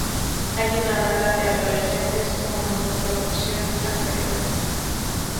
Hay una banda de adolescentes, como en producciones anteriores.